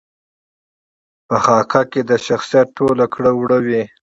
په خاکه کې د شخصیت ټول کړه وړه وي.